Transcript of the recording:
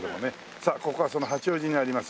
さあここはその八王子にあります